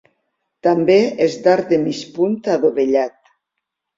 També és d'arc de mig punt adovellat.